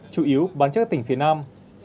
chủ yếu bán trước các tỉnh phía nam